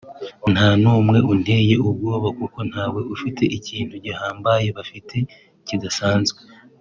“Nta n’umwe unteye ubwoba kuko ntawe ufite ikintu gihambaye bafite kidasanzwe